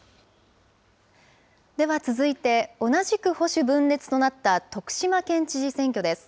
では続いて、同じく保守分裂となった徳島県知事選挙です。